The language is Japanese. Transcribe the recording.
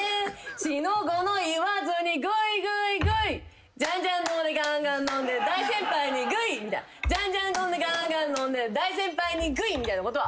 「四の五の言わずにグイグイグイ」「ジャンジャン飲んでガンガン飲んで大先輩にグイ」「ジャンジャン飲んでガンガン飲んで大先輩にグイ」みたいなことは。